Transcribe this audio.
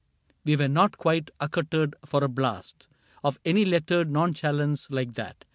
We were not quite accoutred for a blast Of any lettered nonchalance like that.